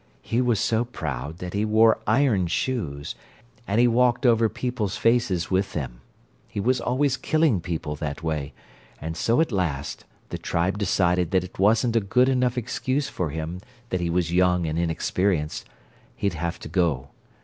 "He was so proud that he wore iron shoes and he walked over people's faces with them. He was always killing people that way, and so at last the tribe decided that it wasn't a good enough excuse for him that he was young and inexperienced—he'd have to go.